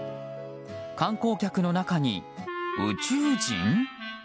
観光客の中に、宇宙人？